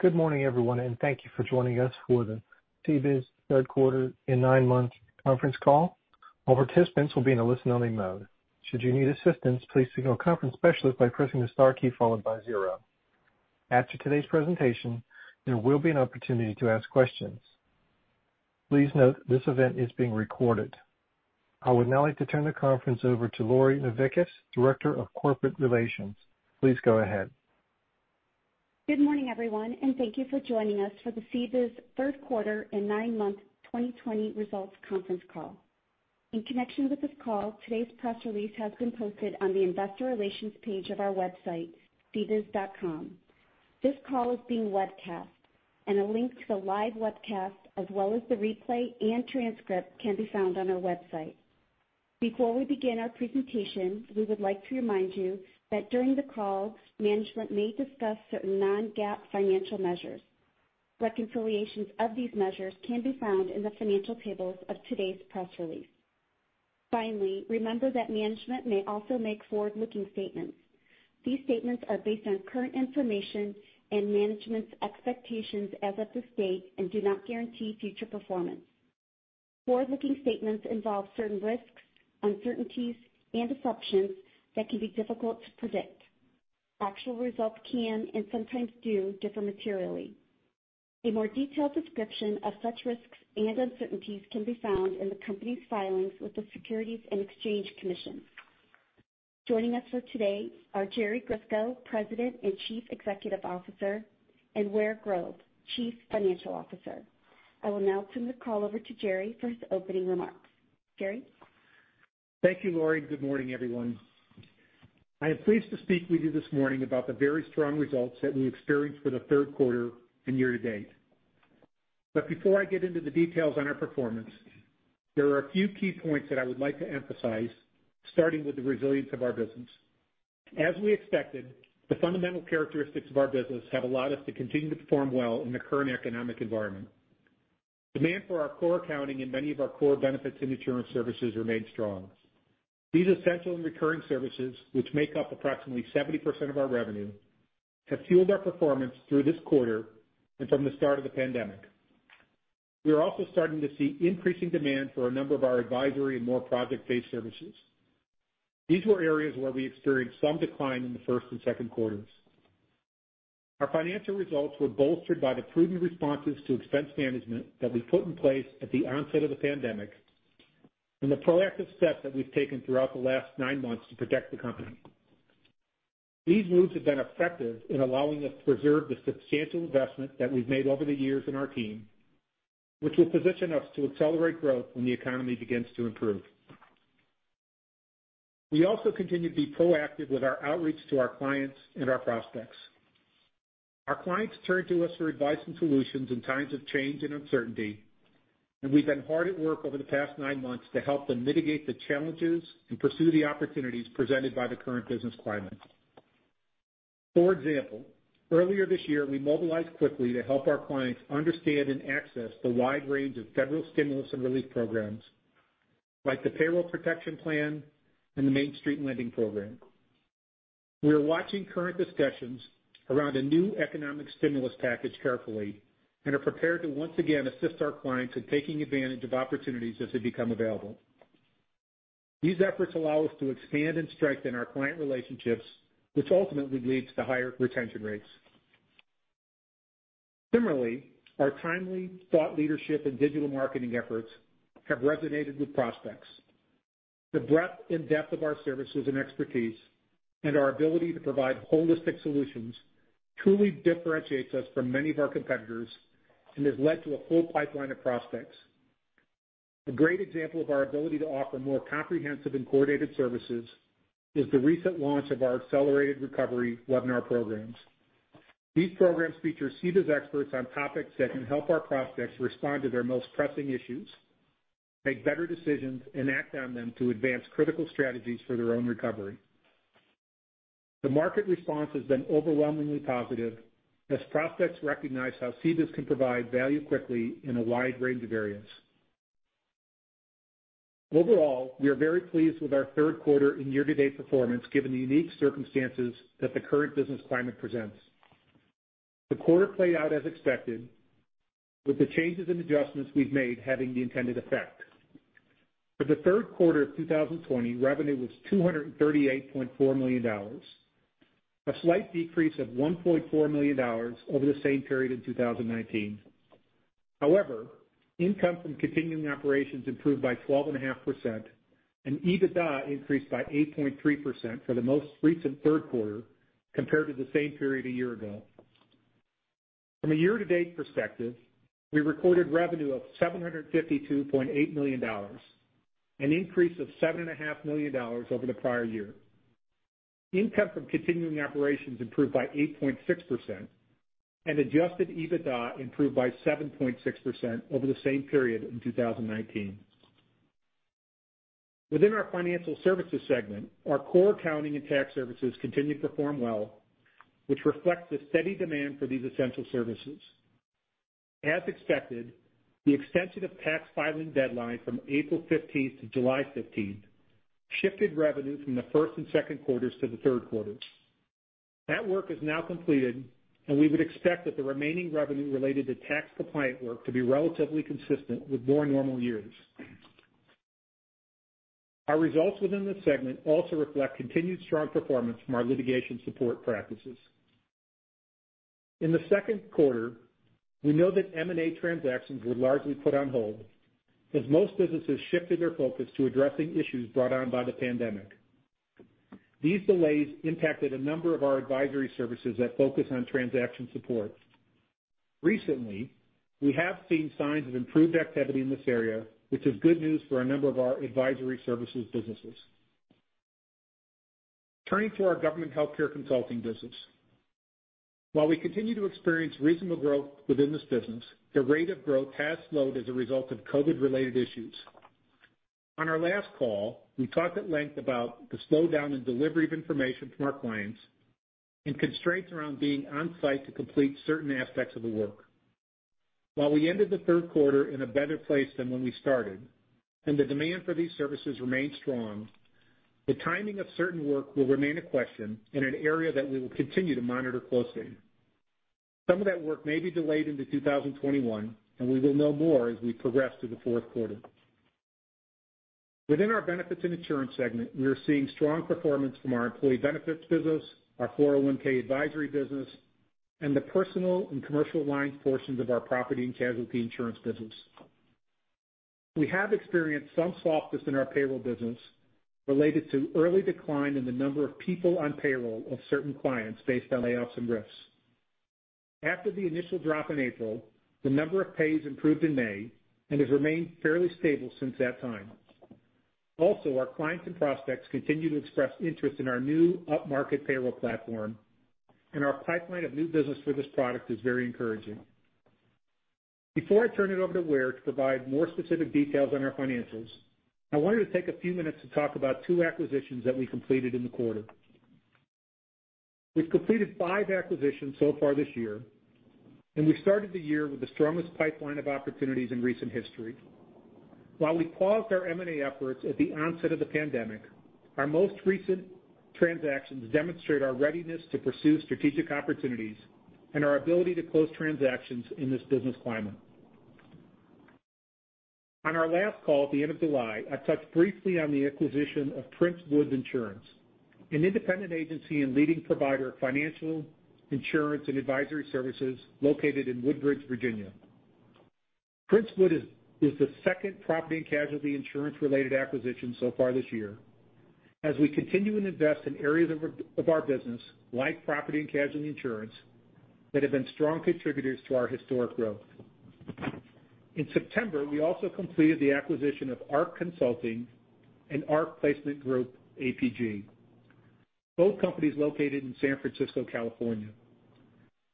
Good morning, everyone, and thank you for joining us for the CBIZ Third Quarter and Nine-Month Conference Call. All participants will be in a listen-only mode. Should you need assistance, please signal a conference specialist by pressing the star key followed by zero. After today's presentation, there will be an opportunity to ask questions. Please note this event is being recorded. I would now like to turn the conference over to Lori Novickis, Director of Corporate Relations. Please go ahead. Good morning, everyone, and thank you for joining us for the CBIZ third quarter and nine-month 2020 results conference call. In connection with this call, today's press release has been posted on the investor relations page of our website, cbiz.com. This call is being webcast, and a link to the live webcast, as well as the replay and transcript, can be found on our website. Before we begin our presentation, we would like to remind you that during the call, management may discuss certain non-GAAP financial measures. Reconciliations of these measures can be found in the financial tables of today's press release. Remember that management may also make forward-looking statements. These statements are based on current information and management's expectations as of this date and do not guarantee future performance. Forward-looking statements involve certain risks, uncertainties, and assumptions that can be difficult to predict. Actual results can, and sometimes do, differ materially. A more detailed description of such risks and uncertainties can be found in the company's filings with the Securities and Exchange Commission. Joining us for today are Jerry Grisko, President and Chief Executive Officer, and Ware Grove, Chief Financial Officer. I will now turn the call over to Jerry for his opening remarks. Jerry? Thank you, Lori. Good morning, everyone. I am pleased to speak with you this morning about the very strong results that we experienced for the third quarter and year to date. Before I get into the details on our performance, there are a few key points that I would like to emphasize, starting with the resilience of our business. As we expected, the fundamental characteristics of our business have allowed us to continue to perform well in the current economic environment. Demand for our core accounting and many of our core benefits and insurance services remained strong. These essential and recurring services, which make up approximately 70% of our revenue, have fueled our performance through this quarter and from the start of the pandemic. We are also starting to see increasing demand for a number of our advisory and more project-based services. These were areas where we experienced some decline in the first and second quarters. Our financial results were bolstered by the prudent responses to expense management that we put in place at the onset of the pandemic and the proactive steps that we've taken throughout the last nine months to protect the company. These moves have been effective in allowing us to preserve the substantial investment that we've made over the years in our team, which will position us to accelerate growth when the economy begins to improve. We also continue to be proactive with our outreach to our clients and our prospects. Our clients turn to us for advice and solutions in times of change and uncertainty, and we've been hard at work over the past nine months to help them mitigate the challenges and pursue the opportunities presented by the current business climate. For example, earlier this year, we mobilized quickly to help our clients understand and access the wide range of federal stimulus and relief programs like the Paycheck Protection Program and the Main Street Lending Program. We are watching current discussions around a new economic stimulus package carefully and are prepared to once again assist our clients in taking advantage of opportunities as they become available. These efforts allow us to expand and strengthen our client relationships, which ultimately leads to higher retention rates. Similarly, our timely thought leadership and digital marketing efforts have resonated with prospects. The breadth and depth of our services and expertise, and our ability to provide holistic solutions truly differentiates us from many of our competitors and has led to a full pipeline of prospects. A great example of our ability to offer more comprehensive and coordinated services is the recent launch of our Accelerated Recovery Webinar programs. These programs feature CBIZ experts on topics that can help our prospects respond to their most pressing issues, make better decisions, and act on them to advance critical strategies for their own recovery. The market response has been overwhelmingly positive as prospects recognize how CBIZ can provide value quickly in a wide range of areas. Overall, we are very pleased with our third quarter and year-to-date performance given the unique circumstances that the current business climate presents. The quarter played out as expected, with the changes and adjustments we've made having the intended effect. For the third quarter of 2020, revenue was $238.4 million, a slight decrease of $1.4 million over the same period in 2019. However, income from continuing operations improved by 12.5%, and EBITDA increased by 8.3% for the most recent third quarter compared to the same period a year ago. From a year-to-date perspective, we recorded revenue of $752.8 million, an increase of $7.5 million over the prior year. Income from continuing operations improved by 8.6%, and adjusted EBITDA improved by 7.6% over the same period in 2019. Within our financial services segment, our core accounting and tax services continue to perform well, which reflects the steady demand for these essential services. As expected, the extension of tax filing deadline from April 15th-July 15th shifted revenue from the first and second quarters to the third quarter. That work is now completed, and we would expect that the remaining revenue related to tax compliant work to be relatively consistent with more normal years. Our results within this segment also reflect continued strong performance from our litigation support practices. In the second quarter, we know that M&A transactions were largely put on hold as most businesses shifted their focus to addressing issues brought on by the pandemic. These delays impacted a number of our advisory services that focus on transaction support. Recently, we have seen signs of improved activity in this area, which is good news for a number of our advisory services businesses. Turning to our government healthcare consulting business. While we continue to experience reasonable growth within this business, the rate of growth has slowed as a result of COVID-related issues. On our last call, we talked at length about the slowdown in delivery of information from our clients and constraints around being on-site to complete certain aspects of the work. While we ended the third quarter in a better place than when we started, and the demand for these services remained strong, the timing of certain work will remain a question and an area that we will continue to monitor closely. Some of that work may be delayed into 2021, and we will know more as we progress through the fourth quarter. Within our Benefits and Insurance segment, we are seeing strong performance from our employee benefits business, our 401(k) advisory business, and the personal and commercial line portions of our property and casualty insurance business. We have experienced some softness in our payroll business related to early decline in the number of people on payroll of certain clients based on layoffs and RIFs. After the initial drop in April, the number of pays improved in May and has remained fairly stable since that time. Also, our clients and prospects continue to express interest in our new upmarket payroll platform, and our pipeline of new business for this product is very encouraging. Before I turn it over to Ware to provide more specific details on our financials, I wanted to take a few minutes to talk about two acquisitions that we completed in the quarter. We've completed five acquisitions so far this year, and we started the year with the strongest pipeline of opportunities in recent history. While we paused our M&A efforts at the onset of the pandemic, our most recent transactions demonstrate our readiness to pursue strategic opportunities and our ability to close transactions in this business climate. On our last call at the end of July, I touched briefly on the acquisition of Prince-Wood Insurance, an independent agency and leading provider of financial, insurance, and advisory services located in Woodbridge, Virginia. Prince-Wood is the second property and casualty insurance-related acquisition so far this year, as we continue to invest in areas of our business, like property and casualty insurance, that have been strong contributors to our historic growth. In September, we also completed the acquisition of ARC Consulting and ARC Placement Group, APG, both companies located in San Francisco, California.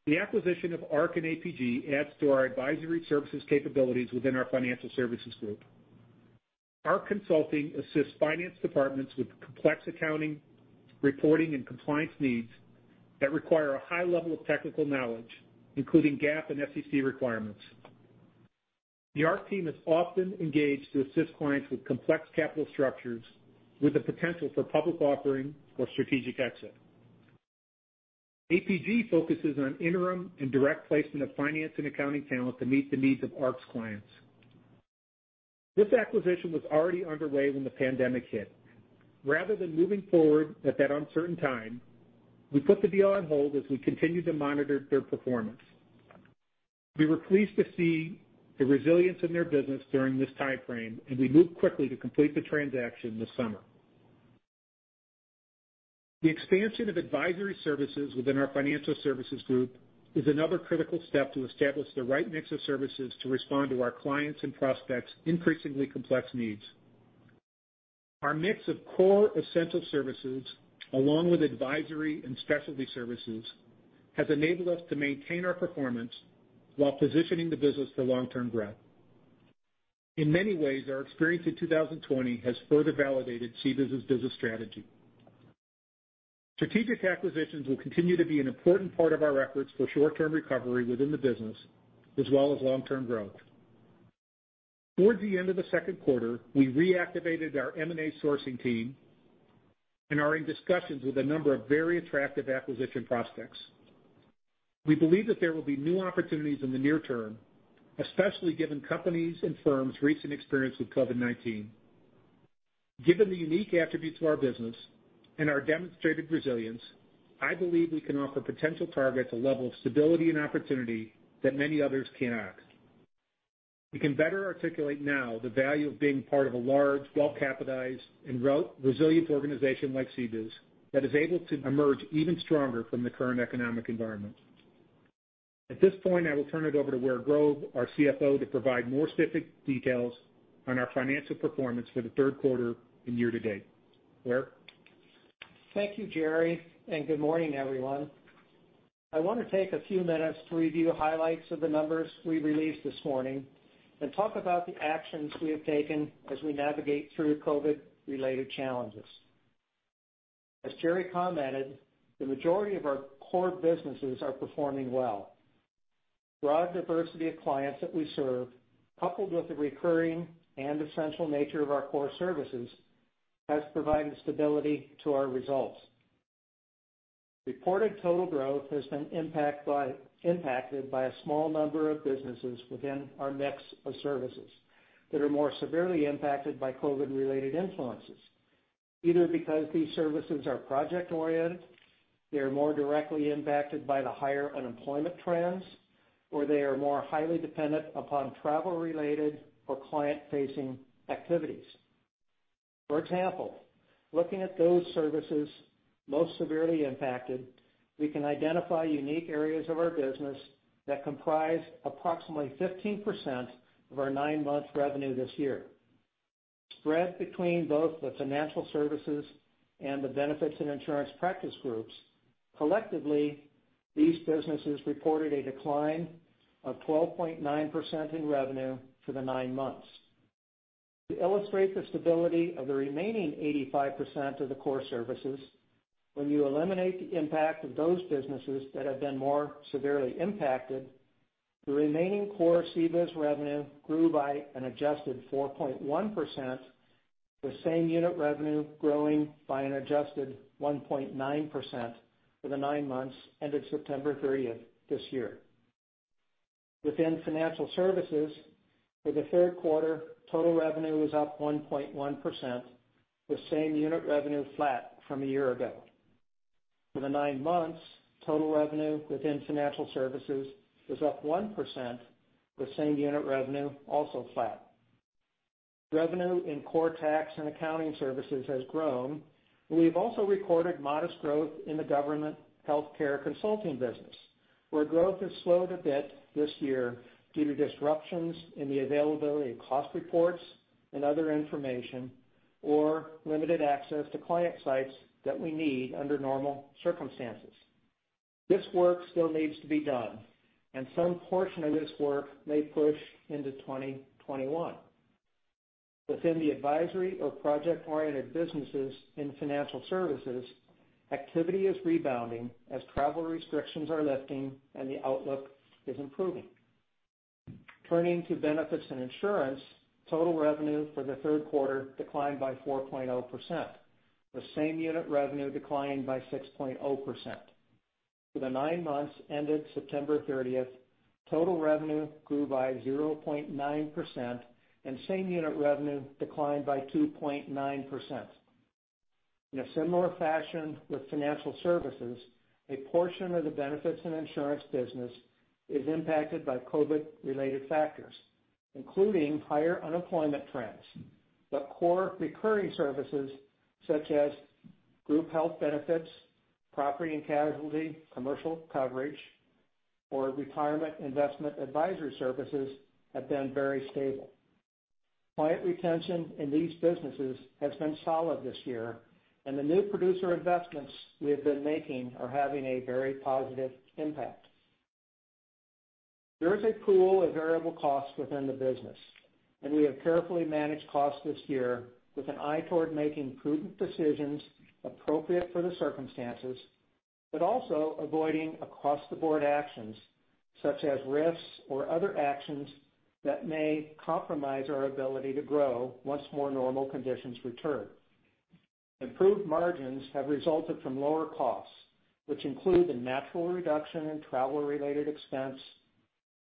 The acquisition of ARC and APG adds to our advisory services capabilities within our financial services group. ARC Consulting assists finance departments with complex accounting, reporting, and compliance needs that require a high level of technical knowledge, including GAAP and SEC requirements. The ARC team is often engaged to assist clients with complex capital structures with the potential for public offering or strategic exit. APG focuses on interim and direct placement of finance and accounting talent to meet the needs of ARC's clients. This acquisition was already underway when the pandemic hit. Rather than moving forward at that uncertain time, we put the deal on hold as we continued to monitor their performance. We were pleased to see the resilience in their business during this time frame, and we moved quickly to complete the transaction this summer. The expansion of advisory services within our financial services group is another critical step to establish the right mix of services to respond to our clients' and prospects' increasingly complex needs. Our mix of core essential services, along with advisory and specialty services, has enabled us to maintain our performance while positioning the business for long-term growth. In many ways, our experience in 2020 has further validated CBIZ's business strategy. Strategic acquisitions will continue to be an important part of our efforts for short-term recovery within the business, as well as long-term growth. Towards the end of the second quarter, we reactivated our M&A sourcing team and are in discussions with a number of very attractive acquisition prospects. We believe that there will be new opportunities in the near term, especially given companies' and firms' recent experience with COVID-19. Given the unique attributes of our business and our demonstrated resilience, I believe we can offer potential targets a level of stability and opportunity that many others cannot. We can better articulate now the value of being part of a large, well-capitalized, and resilient organization like CBIZ that is able to emerge even stronger from the current economic environment. At this point, I will turn it over to Ware Grove, our CFO, to provide more specific details on our financial performance for the third quarter and year-to-date. Ware? Thank you, Jerry. Good morning, everyone. I want to take a few minutes to review highlights of the numbers we released this morning and talk about the actions we have taken as we navigate through COVID-related challenges. As Jerry commented, the majority of our core businesses are performing well. Broad diversity of clients that we serve, coupled with the recurring and essential nature of our core services, has provided stability to our results. Reported total growth has been impacted by a small number of businesses within our mix of services that are more severely impacted by COVID-related influences. Either because these services are project-oriented, they are more directly impacted by the higher unemployment trends, or they are more highly dependent upon travel-related or client-facing activities. For example, looking at those services most severely impacted, we can identify unique areas of our business that comprise approximately 15% of our nine-month revenue this year. Spread between both the financial services and the benefits and insurance practice groups, collectively, these businesses reported a decline of 12.9% in revenue for the nine months. To illustrate the stability of the remaining 85% of the core services, when you eliminate the impact of those businesses that have been more severely impacted, the remaining core CBIZ revenue grew by an adjusted 4.1%, with same unit revenue growing by an adjusted 1.9% for the nine months ended September 30th this year. Within financial services, for the third quarter, total revenue was up 1.1%, with same unit revenue flat from a year ago. For the nine months, total revenue within financial services was up 1%, with same unit revenue also flat. Revenue in core tax and accounting services has grown, and we've also recorded modest growth in the government healthcare consulting business, where growth has slowed a bit this year due to disruptions in the availability of cost reports and other information, or limited access to client sites that we need under normal circumstances. This work still needs to be done, and some portion of this work may push into 2021. Within the advisory or project-oriented businesses in financial services, activity is rebounding as travel restrictions are lifting and the outlook is improving. Turning to benefits and insurance, total revenue for the third quarter declined by 4.0%, with same unit revenue declining by 6.0%. For the nine months ended September 30th, total revenue grew by 0.9%, and same unit revenue declined by 2.9%. In a similar fashion with financial services, a portion of the benefits and insurance business is impacted by COVID-related factors, including higher unemployment trends. Core recurring services such as group health benefits, property and casualty, commercial coverage, or retirement investment advisory services have been very stable. Client retention in these businesses has been solid this year. The new producer investments we have been making are having a very positive impact. There is a pool of variable costs within the business, and we have carefully managed costs this year with an eye toward making prudent decisions appropriate for the circumstances, but also avoiding across-the-board actions such as RIFs or other actions that may compromise our ability to grow once more normal conditions return. Improved margins have resulted from lower costs, which include the natural reduction in travel-related expense,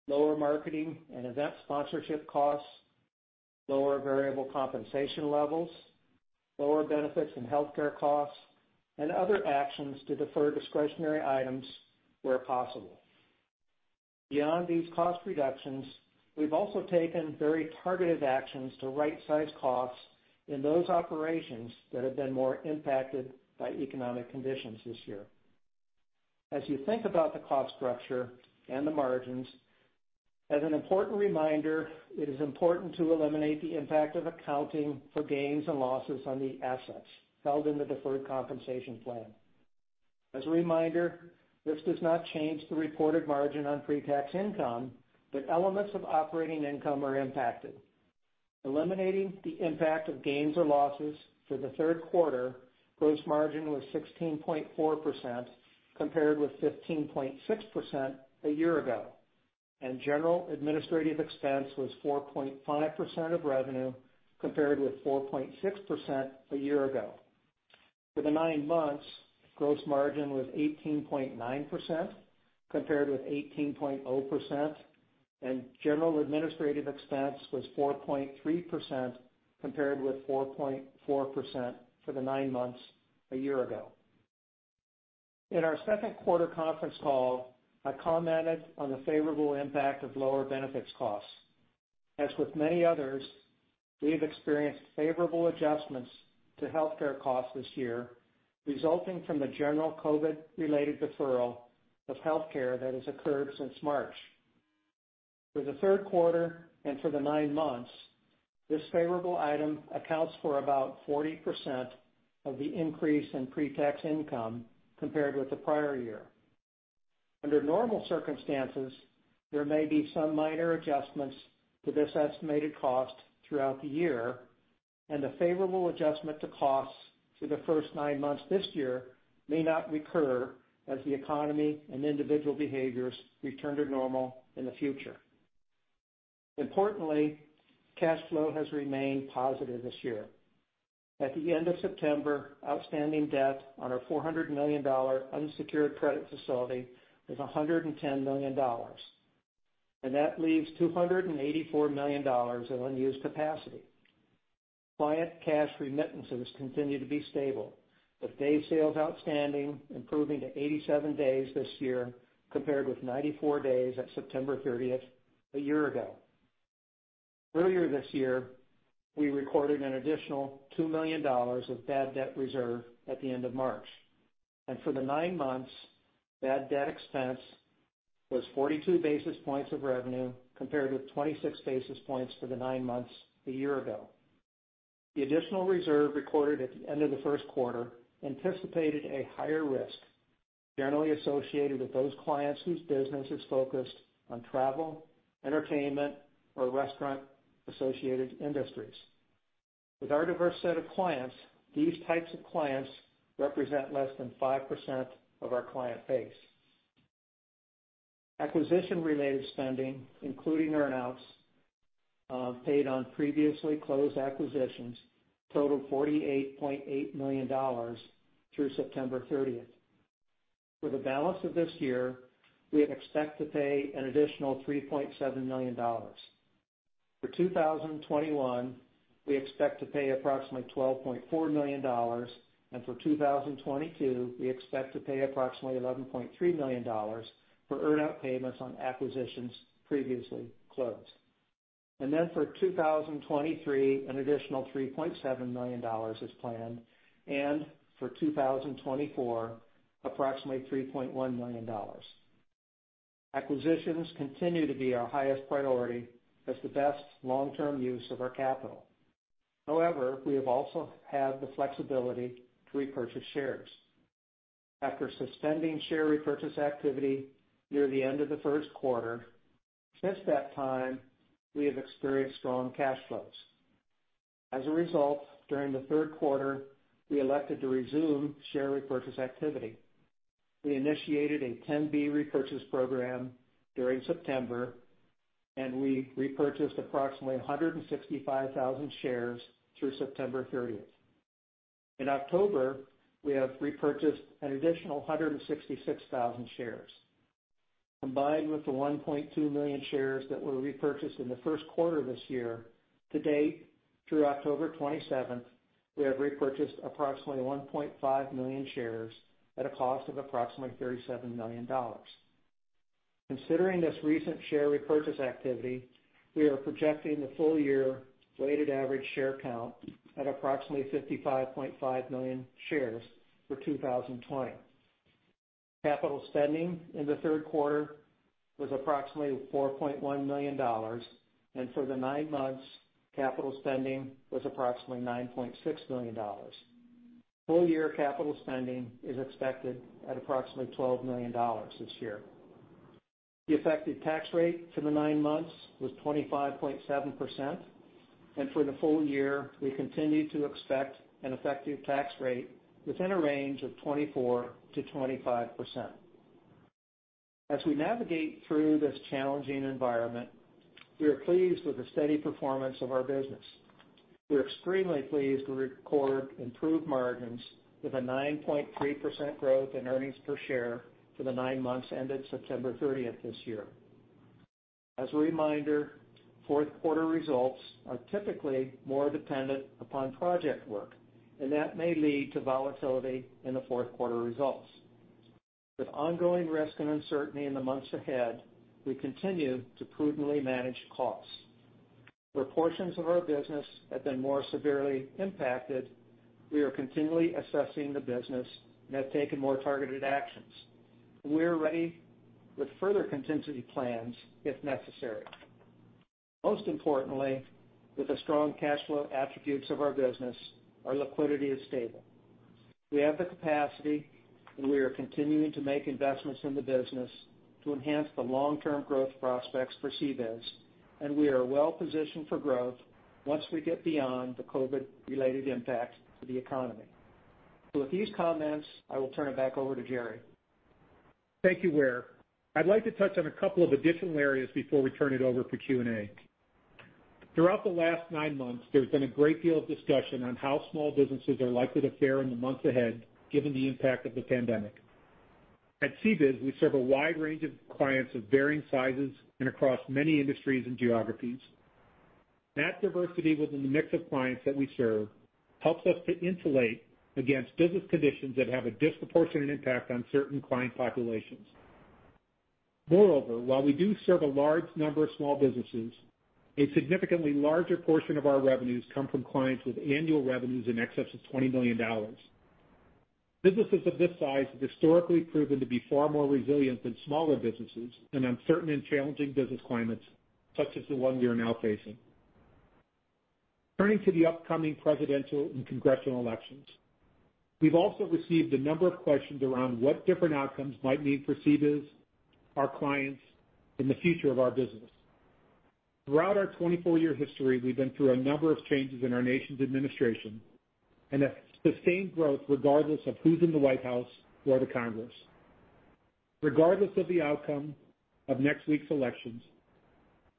lower marketing and event sponsorship costs, lower variable compensation levels, lower benefits and healthcare costs, and other actions to defer discretionary items where possible. Beyond these cost reductions, we've also taken very targeted actions to rightsize costs in those operations that have been more impacted by economic conditions this year. As you think about the cost structure and the margins, as an important reminder, it is important to eliminate the impact of accounting for gains and losses on the assets held in the deferred compensation plan. As a reminder, this does not change the reported margin on pre-tax income, but elements of operating income are impacted. Eliminating the impact of gains or losses for the third quarter, gross margin was 16.4% compared with 15.6% a year ago, and general administrative expense was 4.5% of revenue compared with 4.6% a year ago. For the nine months, gross margin was 18.9% compared with 18.0%, and general administrative expense was 4.3% compared with 4.4% for the nine months a year ago. In our second quarter conference call, I commented on the favorable impact of lower benefits costs. As with many others, we have experienced favorable adjustments to healthcare costs this year, resulting from the general COVID-related deferral of healthcare that has occurred since March. For the third quarter and for the nine months, this favorable item accounts for about 40% of the increase in pre-tax income compared with the prior year. Under normal circumstances, there may be some minor adjustments to this estimated cost throughout the year, and a favorable adjustment to costs for the first nine months this year may not recur as the economy and individual behaviors return to normal in the future. Importantly, cash flow has remained positive this year. At the end of September, outstanding debt on our $400 million unsecured credit facility was $110 million, and that leaves $284 million in unused capacity. Client cash remittances continue to be stable, with days sales outstanding improving to 87 days this year, compared with 94 days at September 30th a year ago. Earlier this year, we recorded an additional $2 million of bad debt reserve at the end of March. For the nine months, bad debt expense was 42 basis points of revenue, compared with 26 basis points for the nine months a year ago. The additional reserve recorded at the end of the first quarter anticipated a higher risk generally associated with those clients whose business is focused on travel, entertainment, or restaurant-associated industries. With our diverse set of clients, these types of clients represent less than 5% of our client base. Acquisition-related spending, including earn-outs paid on previously closed acquisitions, totaled $48.8 million through September 30th. For the balance of this year, we expect to pay an additional $3.7 million. For 2021, we expect to pay approximately $12.4 million, and for 2022, we expect to pay approximately $11.3 million for earn-out payments on acquisitions previously closed. Then for 2023, an additional $3.7 million is planned, and for 2024, approximately $3.1 million. Acquisitions continue to be our highest priority as the best long-term use of our capital. However, we have also had the flexibility to repurchase shares. After suspending share repurchase activity near the end of the first quarter, since that time, we have experienced strong cash flows. As a result, during the third quarter, we elected to resume share repurchase activity. We initiated a 10B repurchase program during September, and we repurchased approximately 165,000 shares through September 30th. In October, we have repurchased an additional 166,000 shares. Combined with the 1.2 million shares that were repurchased in the first quarter of this year, to date, through October 27th, we have repurchased approximately 1.5 million shares at a cost of approximately $37 million. Considering this recent share repurchase activity, we are projecting the full-year weighted average share count at approximately 55.5 million shares for 2020. Capital spending in the third quarter was approximately $4.1 million, and for the nine months, capital spending was approximately $9.6 million. Full-year capital spending is expected at approximately $12 million this year. The effective tax rate for the nine months was 25.7%, and for the full year, we continue to expect an effective tax rate within a range of 24%-25%. As we navigate through this challenging environment, we are pleased with the steady performance of our business. We're extremely pleased to record improved margins with a 9.3% growth in earnings per share for the nine months ended September 30th this year. As a reminder, fourth quarter results are typically more dependent upon project work, and that may lead to volatility in the fourth quarter results. With ongoing risk and uncertainty in the months ahead, we continue to prudently manage costs. Where portions of our business have been more severely impacted, we are continually assessing the business and have taken more targeted actions. We're ready with further contingency plans if necessary. Most importantly, with the strong cash flow attributes of our business, our liquidity is stable. We have the capacity, and we are continuing to make investments in the business to enhance the long-term growth prospects for CBIZ, and we are well positioned for growth once we get beyond the COVID-related impact to the economy. With these comments, I will turn it back over to Jerry. Thank you, Ware. I'd like to touch on a couple of additional areas before we turn it over for Q&A. Throughout the last nine months, there's been a great deal of discussion on how small businesses are likely to fare in the months ahead, given the impact of the pandemic. At CBIZ, we serve a wide range of clients of varying sizes and across many industries and geographies. That diversity within the mix of clients that we serve helps us to insulate against business conditions that have a disproportionate impact on certain client populations. Moreover, while we do serve a large number of small businesses, a significantly larger portion of our revenues come from clients with annual revenues in excess of $20 million. Businesses of this size have historically proven to be far more resilient than smaller businesses in uncertain and challenging business climates such as the one we are now facing. Turning to the upcoming presidential and congressional elections. We've also received a number of questions around what different outcomes might mean for CBIZ, our clients, and the future of our business. Throughout our 24-year history, we've been through a number of changes in our nation's administration and have sustained growth regardless of who's in the White House or the Congress. Regardless of the outcome of next week's elections,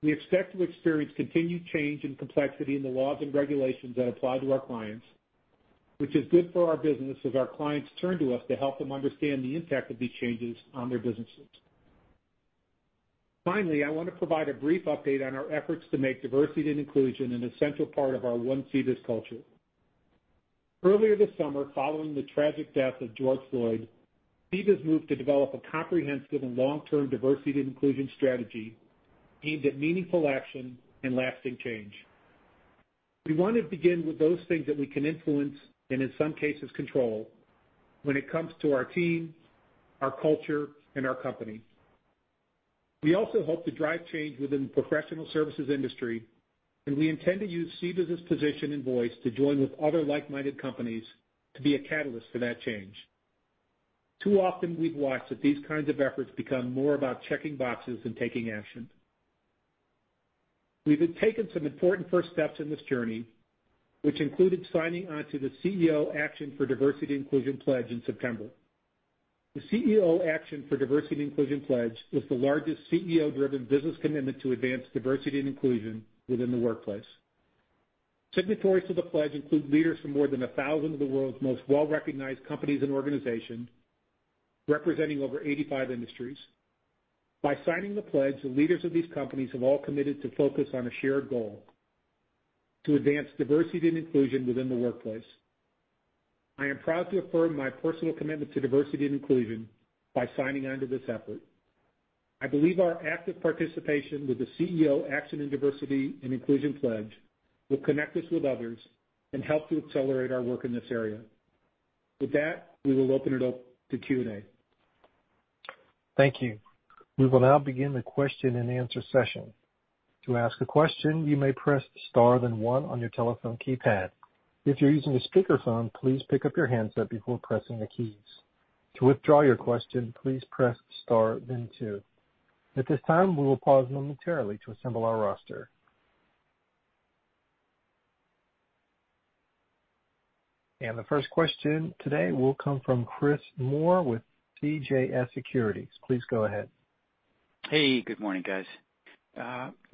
we expect to experience continued change and complexity in the laws and regulations that apply to our clients, which is good for our business as our clients turn to us to help them understand the impact of these changes on their businesses. Finally, I want to provide a brief update on our efforts to make diversity and inclusion an essential part of our one CBIZ culture. Earlier this summer, following the tragic death of George Floyd, CBIZ moved to develop a comprehensive and long-term diversity and inclusion strategy aimed at meaningful action and lasting change. We want to begin with those things that we can influence and, in some cases, control when it comes to our teams, our culture, and our company. We also hope to drive change within the professional services industry, and we intend to use CBIZ's position and voice to join with other like-minded companies to be a catalyst for that change. Too often we've watched that these kinds of efforts become more about checking boxes than taking action. We've taken some important first steps in this journey, which included signing on to the CEO Action for Diversity & Inclusion pledge in September. The CEO Action for Diversity & Inclusion pledge is the largest CEO-driven business commitment to advance diversity and inclusion within the workplace. Signatories to the pledge include leaders from more than 1,000 of the world's most well-recognized companies and organizations, representing over 85 industries. By signing the pledge, the leaders of these companies have all committed to focus on a shared goal: to advance diversity and inclusion within the workplace. I am proud to affirm my personal commitment to diversity and inclusion by signing on to this effort. I believe our active participation with the CEO Action for Diversity & Inclusion pledge will connect us with others and help to accelerate our work in this area. With that, we will open it up to Q&A. Thank you. We will now begin the question-and-answer session. To ask a question, you may press star, then one on your telephone keypad. If you're using a speakerphone, please pick up your handset before pressing the keys. To withdraw your question, please press star, then two. At this time, we will pause momentarily to assemble our roster. The first question today will come from Chris Moore with CJS Securities. Please go ahead. Hey, good morning, guys.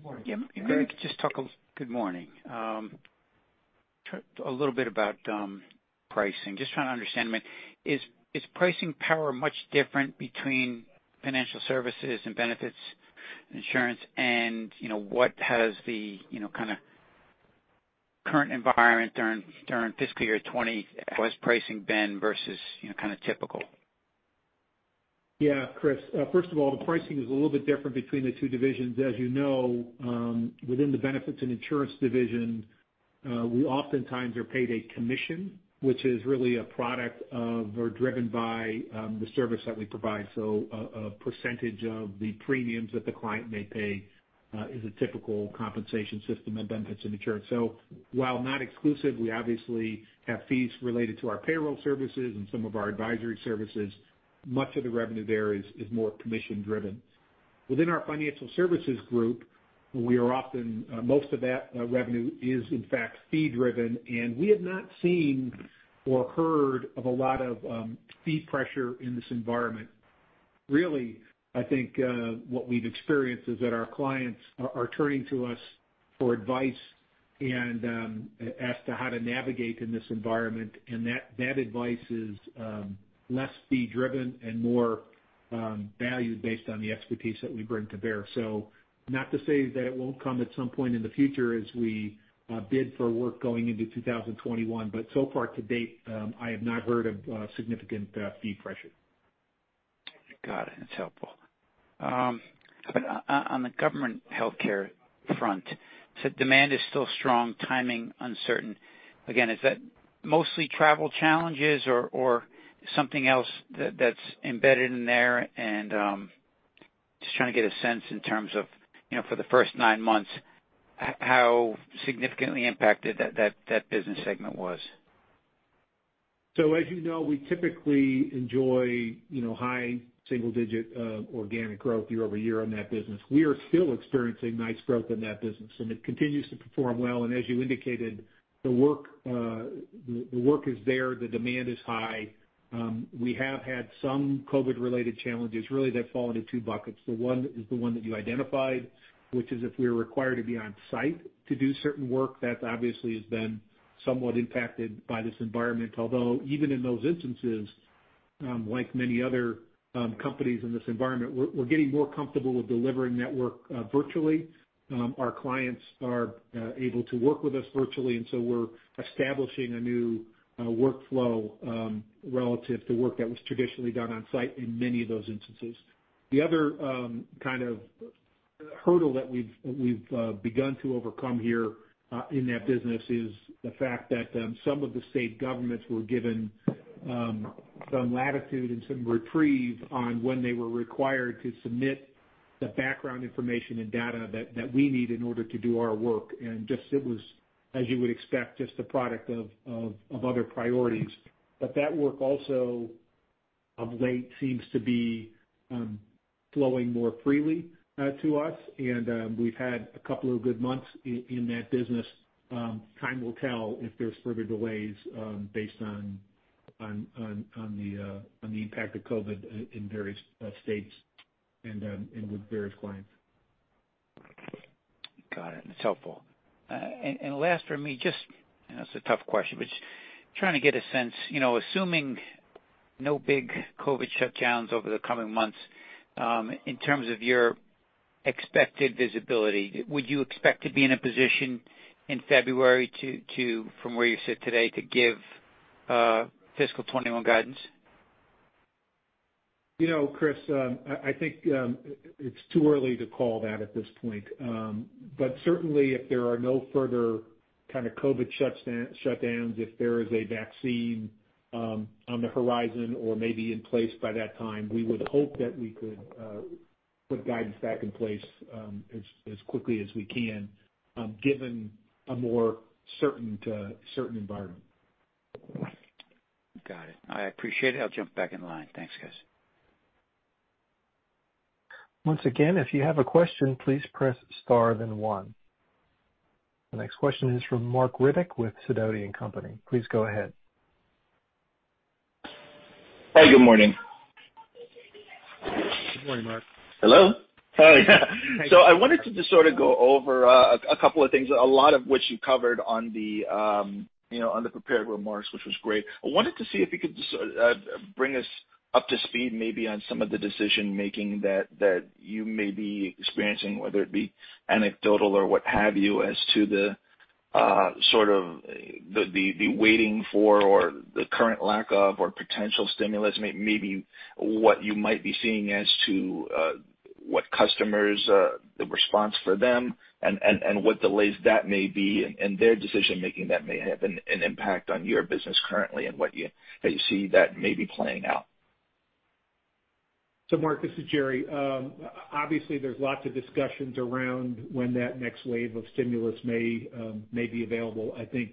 Morning. just talk. Good morning. A little bit about pricing. Just trying to understand, is pricing power much different between financial services and benefits insurance and what has the kind of current environment during fiscal year 2020 plus pricing been versus kind of typical? Yeah, Chris. First of all, the pricing is a little bit different between the two divisions. As you know, within the benefits and insurance division, we oftentimes are paid a commission, which is really a product of or driven by the service that we provide. A percentage of the premiums that the client may pay is a typical compensation system in benefits and insurance. While not exclusive, we obviously have fees related to our payroll services and some of our advisory services. Much of the revenue there is more commission-driven. Within our financial services group, most of that revenue is in fact fee-driven, and we have not seen or heard of a lot of fee pressure in this environment. Really, I think what we've experienced is that our clients are turning to us for advice as to how to navigate in this environment. That advice is less fee-driven and more value-based on the expertise that we bring to bear. Not to say that it won't come at some point in the future as we bid for work going into 2021, but so far to date, I have not heard of significant fee pressure. Got it. That's helpful. How about on the government healthcare front, you said demand is still strong, timing uncertain. Again, is that mostly travel challenges or something else that's embedded in there? Just trying to get a sense in terms of for the first nine months, how significantly impacted that business segment was. As you know, we typically enjoy high single-digit organic growth year over year on that business. We are still experiencing nice growth in that business, and it continues to perform well. As you indicated, the work is there. The demand is high. We have had some COVID-related challenges, really, that fall into two buckets. The one is the one that you identified, which is if we are required to be on-site to do certain work. That obviously has been somewhat impacted by this environment. Although even in those instances like many other companies in this environment, we're getting more comfortable with delivering that work virtually. Our clients are able to work with us virtually, we're establishing a new workflow relative to work that was traditionally done on-site in many of those instances. The other kind of hurdle that we've begun to overcome here in that business is the fact that some of the state governments were given some latitude and some reprieve on when they were required to submit the background information and data that we need in order to do our work. Just it was, as you would expect, just a product of other priorities. That work also of late seems to be flowing more freely to us, and we've had a couple of good months in that business. Time will tell if there's further delays based on the impact of COVID in various states and with various clients. Got it. That's helpful. Last for me, just, it's a tough question, but trying to get a sense, assuming no big COVID shutdowns over the coming months, in terms of your expected visibility, would you expect to be in a position in February to, from where you sit today, to give fiscal 2021 guidance? Chris, I think it's too early to call that at this point. Certainly if there are no further kind of COVID shutdowns, if there is a vaccine on the horizon or maybe in place by that time, we would hope that we could put guidance back in place as quickly as we can, given a more certain environment. Got it. I appreciate it. I'll jump back in line. Thanks, guys. Once again, if you have a question, please press star then one. The next question is from Marc Riddick with Sidoti & Company. Please go ahead. Hi, good morning. Hello. Hi. I wanted to just sort of go over a couple of things, a lot of which you covered on the prepared remarks, which was great. I wanted to see if you could just bring us up to speed maybe on some of the decision-making that you may be experiencing, whether it be anecdotal or what have you, as to the sort of the waiting for or the current lack of or potential stimulus, maybe what you might be seeing as to what customers, the response for them and what delays that may be and their decision making that may have an impact on your business currently and how you see that maybe playing out? Marc, this is Jerry. Obviously there's lots of discussions around when that next wave of stimulus may be available. I think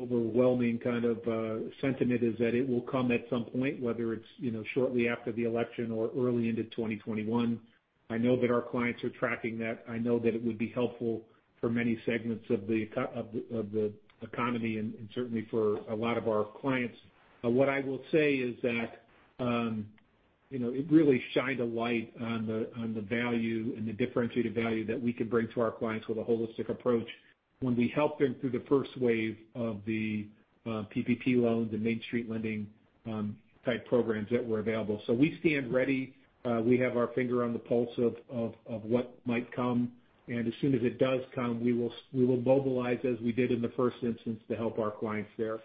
overwhelming kind of sentiment is that it will come at some point, whether it's shortly after the election or early into 2021. I know that our clients are tracking that. I know that it would be helpful for many segments of the economy and certainly for a lot of our clients. What I will say is that it really shined a light on the value and the differentiated value that we can bring to our clients with a holistic approach when we helped them through the first wave of the PPP loans and Main Street Lending Program that were available. We stand ready. We have our finger on the pulse of what might come, and as soon as it does come, we will mobilize as we did in the first instance to help our clients there.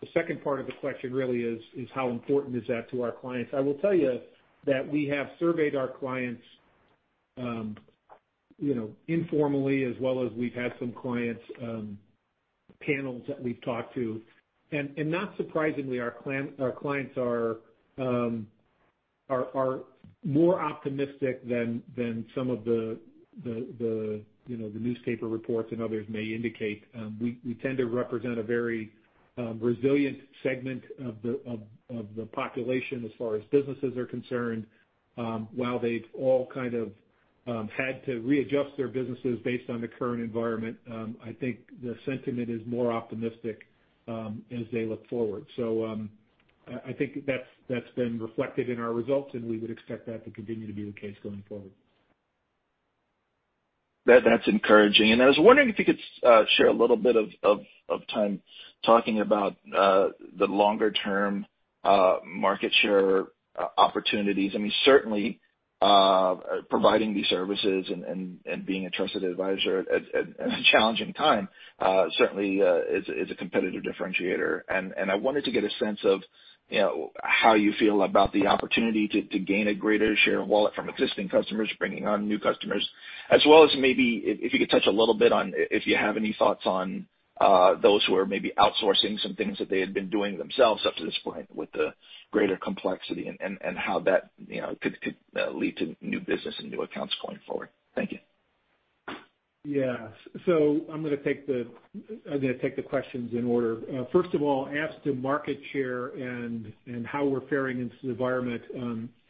The second part of the question really is how important is that to our clients? I will tell you that we have surveyed our clients informally as well as we've had some clients panels that we've talked to. Not surprisingly, our clients are more optimistic than some of the newspaper reports and others may indicate. We tend to represent a very resilient segment of the population as far as businesses are concerned. While they've all kind of had to readjust their businesses based on the current environment, I think the sentiment is more optimistic as they look forward. I think that's been reflected in our results, and we would expect that to continue to be the case going forward. That's encouraging. I was wondering if you could share a little bit of time talking about the longer-term market share opportunities. I mean, certainly providing these services and being a trusted advisor at this challenging time certainly is a competitive differentiator. I wanted to get a sense of how you feel about the opportunity to gain a greater share of wallet from existing customers, bringing on new customers, as well as maybe if you could touch a little bit on if you have any thoughts on those who are maybe outsourcing some things that they had been doing themselves up to this point with the greater complexity and how that could lead to new business and new accounts going forward. Thank you. Yeah. I'm going to take the questions in order. First of all, as to market share and how we're faring into the environment.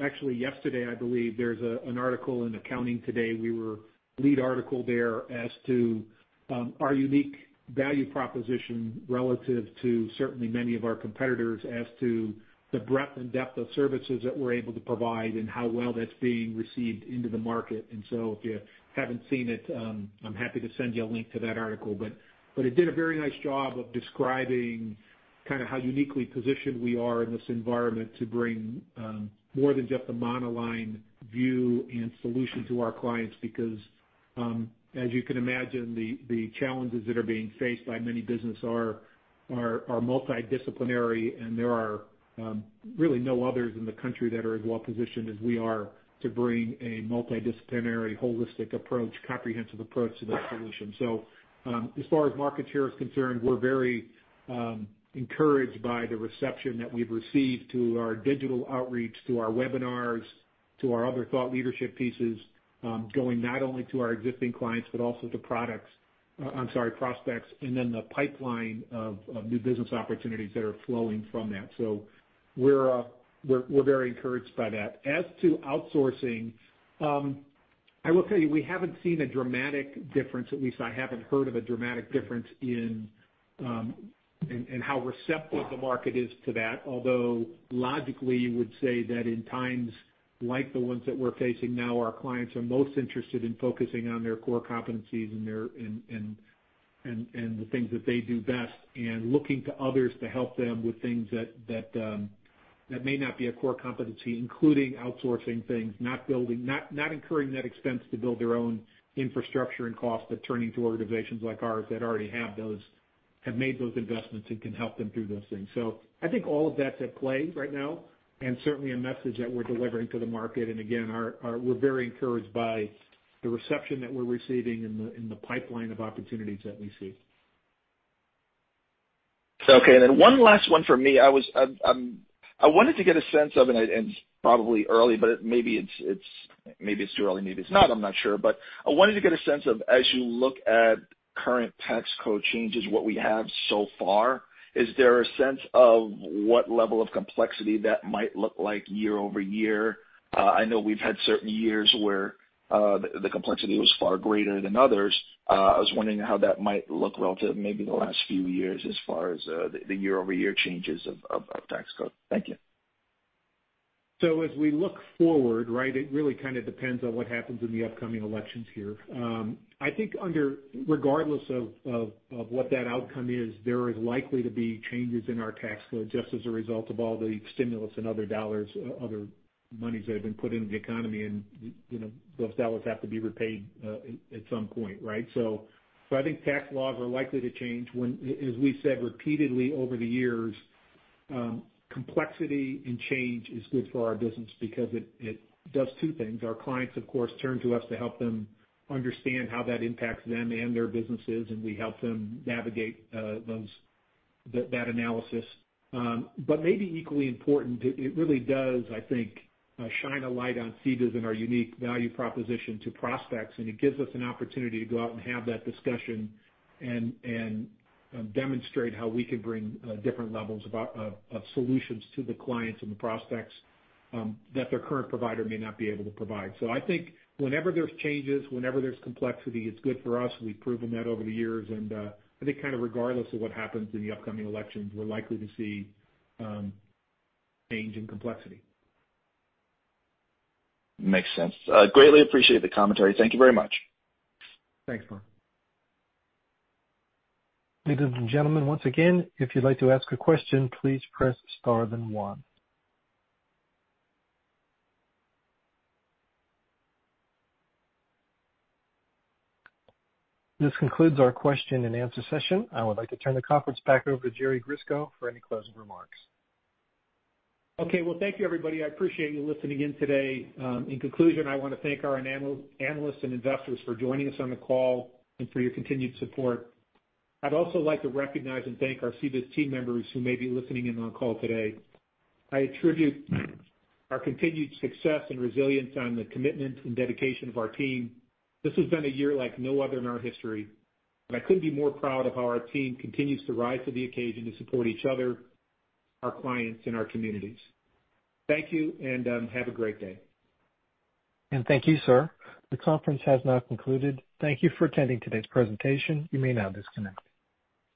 Actually yesterday, I believe there's an article in Accounting Today. We were lead article there as to our unique value proposition relative to certainly many of our competitors as to the breadth and depth of services that we're able to provide and how well that's being received into the market. If you haven't seen it, I'm happy to send you a link to that article. It did a very nice job of describing kind of how uniquely positioned we are in this environment to bring more than just a monoline view and solution to our clients because as you can imagine, the challenges that are being faced by many businesses are multidisciplinary and there are really no others in the country that are as well positioned as we are to bring a multidisciplinary, holistic approach, comprehensive approach to that solution. As far as market share is concerned, we're very encouraged by the reception that we've received to our digital outreach, to our webinars, to our other thought leadership pieces going not only to our existing clients, but also to prospects, and then the pipeline of new business opportunities that are flowing from that. We're very encouraged by that. As to outsourcing, I will tell you, we haven't seen a dramatic difference, at least I haven't heard of a dramatic difference in how receptive the market is to that. Although logically, you would say that in times like the ones that we're facing now, our clients are most interested in focusing on their core competencies and the things that they do best and looking to others to help them with things that may not be a core competency, including outsourcing things, not incurring that expense to build their own infrastructure and cost, but turning to organizations like ours that already have made those investments and can help them through those things. I think all of that's at play right now, and certainly a message that we're delivering to the market. Again, we're very encouraged by the reception that we're receiving and the pipeline of opportunities that we see. Okay. One last one for me. I wanted to get a sense of, and it's probably early, but maybe it's too early, maybe it's not, I'm not sure. I wanted to get a sense of, as you look at current tax code changes, what we have so far, is there a sense of what level of complexity that might look like year-over-year? I know we've had certain years where the complexity was far greater than others. I was wondering how that might look relative, maybe the last few years, as far as the year-over-year changes of tax code. Thank you. As we look forward, it really kind of depends on what happens in the upcoming elections here. I think regardless of what that outcome is, there is likely to be changes in our tax code just as a result of all the stimulus and other dollars, other monies that have been put into the economy. Those dollars have to be repaid at some point, right? I think tax laws are likely to change. As we said repeatedly over the years, complexity and change is good for our business because it does two things. Our clients, of course, turn to us to help them understand how that impacts them and their businesses, and we help them navigate that analysis. Maybe equally important, it really does, I think, shine a light on CBIZ and our unique value proposition to prospects, and it gives us an opportunity to go out and have that discussion and demonstrate how we can bring different levels of solutions to the clients and the prospects that their current provider may not be able to provide. I think whenever there's changes, whenever there's complexity, it's good for us. We've proven that over the years. I think kind of regardless of what happens in the upcoming elections, we're likely to see change and complexity. Makes sense. Greatly appreciate the commentary. Thank you very much. Thanks, Marc. Ladies and gentlemen, once again, if you'd like to ask a question, please press star then one. This concludes our question and answer session. I would like to turn the conference back over to Jerry Grisko for any closing remarks. Okay. Well, thank you everybody. I appreciate you listening in today. In conclusion, I want to thank our analysts and investors for joining us on the call and for your continued support. I'd also like to recognize and thank our CBIZ team members who may be listening in on the call today. I attribute our continued success and resilience on the commitment and dedication of our team. This has been a year like no other in our history, and I couldn't be more proud of how our team continues to rise to the occasion to support each other, our clients, and our communities. Thank you, and have a great day. Thank you, sir. The conference has now concluded. Thank you for attending today's presentation. You may now disconnect.